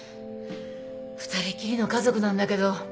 ２人きりの家族なんだけど。